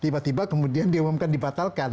tiba tiba kemudian diumumkan dibatalkan